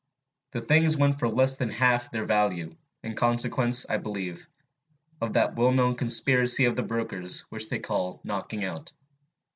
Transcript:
The things went for less than half their value, in consequence, I believe, of that well known conspiracy of the brokers which they call knocking out.